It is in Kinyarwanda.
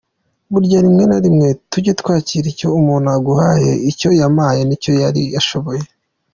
Burya rimwe na rimwe tujye twakira icyo umuntu aguhaye, icyo yampaye nicyo yari ashoboye.